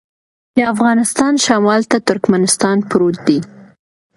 د افغانستان شمال ته ترکمنستان پروت دی